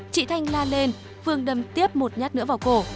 chị thanh la lên phương đâm tiếp một nhát nữa vào cổ